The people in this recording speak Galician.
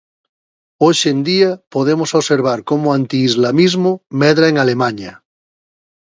Hoxe en día podemos observar como o antiislamismo medra en Alemaña.